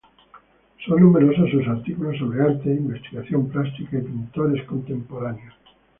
Son numerosos sus artículos sobre arte, investigación plástica y pintores contemporáneos.